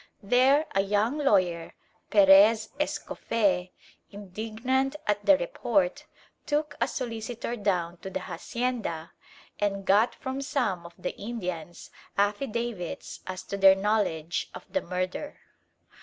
There a young lawyer, Perez Escofee, indignant at the report, took a solicitor down to the hacienda and got from some of the Indians affidavits as to their knowledge of the murder.